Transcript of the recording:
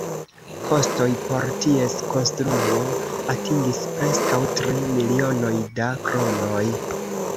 Kostoj por ties konstruo atingis preskaŭ tri milionoj da kronoj.